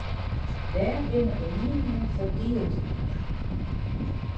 Dêr binne de mieningen ferdield oer.